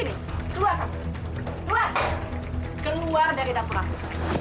keluar keluar dari dapur aku